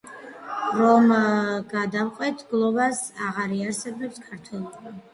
რომ გადავყვეთ გლოვას, აღარ იარსებებდა ქართველობა.